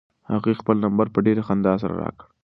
هغې خپل نمبر په ډېرې خندا سره راکړ.